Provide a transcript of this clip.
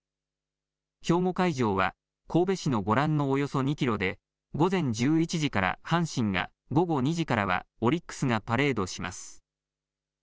兵庫会場は、神戸市のご覧のおよそ２キロで、午前１１時から阪神が、午後２時からはオリックスがパレードします。